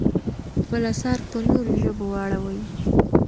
خپل اثار په نورو ژبو واړوئ.